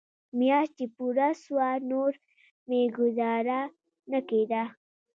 مياشت چې پوره سوه نور مې گوزاره نه کېده.